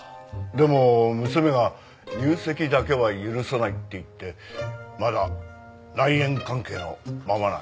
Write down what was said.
でも娘が入籍だけは許さないって言ってまだ内縁関係のままなんです。